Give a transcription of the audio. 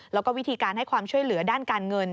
แล้วก็วิธีการให้ความช่วยเหลือด้านการเงิน